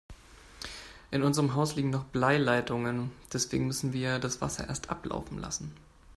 In unserem Haus liegen noch Bleileitungen, deswegen müssen wir das Wasser erst ablaufen lassen.